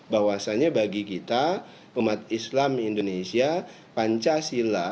bahwasannya bagi kita umat islam indonesia pancasila